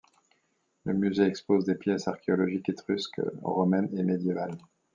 Le musée expose des pièces archéologiques étrusques, romaines et médiévales.